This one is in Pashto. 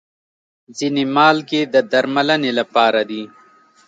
ځینې مالګې د درملنې لپاره دي.